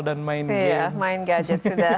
dan main game